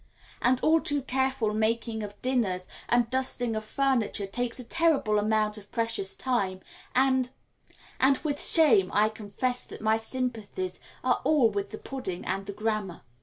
And all too careful making of dinners and dusting of furniture takes a terrible amount of precious time, and and with shame I confess that my sympathies are all with the pudding and the grammar.